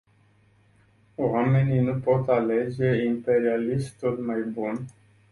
Oamenii nu pot alege "imperialistul mai bun”.